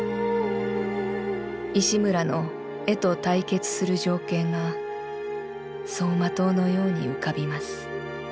石村の絵と対決する情景が走馬灯のように浮かびます」。